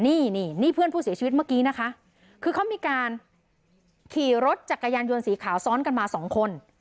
นี่นี่เพื่อนผู้เสียชีวิตเมื่อกี้นะคะคือเขามีการขี่รถจักรยานยนต์สีขาวซ้อนกันมาสองคน